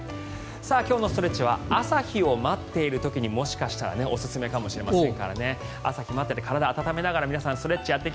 今日のストレッチは朝日を待っている時にもしかしたらおすすめかもしれません。